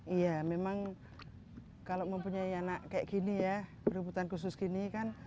iya memang kalau mempunyai anak kayak gini ya berkebutuhan khusus gini kan